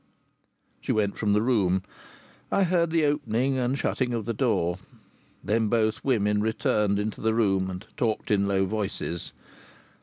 She went from the room. I heard the opening and shutting of the door. Then both women returned into the room, and talked in low voices.